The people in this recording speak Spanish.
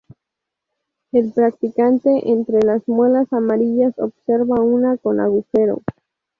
El practicante, entre las muelas amarillas, observa una con un agujero.